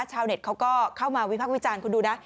ชาวเน็ตเขาก็เข้ามาวิพักวิจารณ์คุณดูนะ